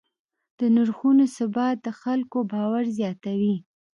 د نرخونو ثبات د خلکو باور زیاتوي.